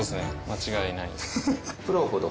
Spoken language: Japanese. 間違いないです。